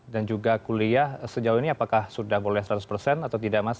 dan juga kuliah sejauh ini apakah sudah boleh seratus atau tidak mas